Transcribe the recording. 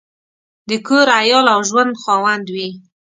د کور، عیال او ژوند خاوند وي.